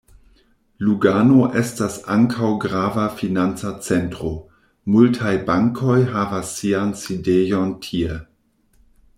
Lugano estas ankaŭ grava financa centro: multaj bankoj havas sian sidejon tie.